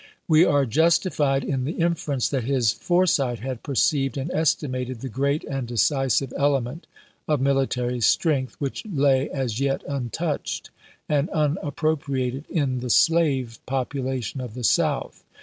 We are justified in the inference that his fore sight had perceived and estimated the great and decisive element of military strength which lay as yet untouched and unappropriated in the slave population of the South.